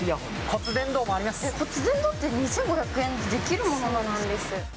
骨伝導って２２００円でできるものなんですか？